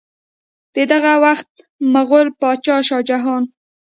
د دغه وخت مغل بادشاه شاه جهان